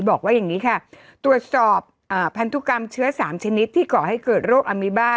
บอกว่าอย่างนี้ค่ะตรวจสอบพันธุกรรมเชื้อ๓ชนิดที่ก่อให้เกิดโรคอามิบ้า